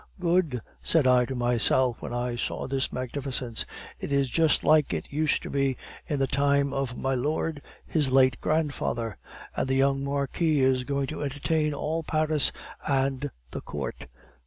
'Good,' said I to myself when I saw this magnificence; 'it is just like it used to be in the time of my lord, his late grandfather; and the young marquis is going to entertain all Paris and the Court!